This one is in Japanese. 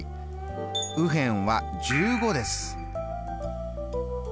右辺は１５です。